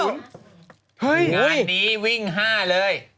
งานนี้วิ่ง๕เลย